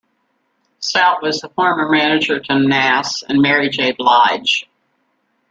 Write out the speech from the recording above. Stoute was the former manager to Nas and Mary J. Blige.